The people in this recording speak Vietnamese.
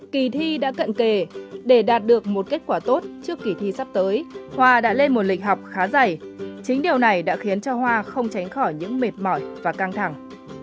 kỳ thi đã cận kề để đạt được một kết quả tốt trước kỳ thi sắp tới hoa đã lên một lịch học khá dày chính điều này đã khiến cho hoa không tránh khỏi những mệt mỏi và căng thẳng